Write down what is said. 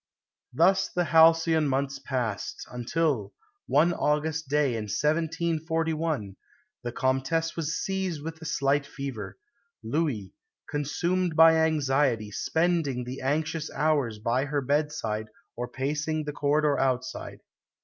Thus the halcyon months passed, until, one August day in 1741, the Comtesse was seized with a slight fever; Louis, consumed by anxiety, spending the anxious hours by her bedside or pacing the corridor outside.